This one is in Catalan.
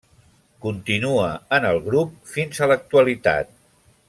Continua en el grup fins a l'actualitat.